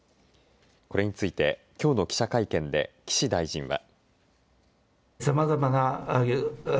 これについてきょうの記者会見で岸大臣は。